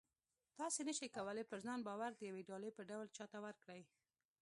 تاسې نه شئ کولی پر ځان باور د یوې ډالۍ په ډول چاته ورکړئ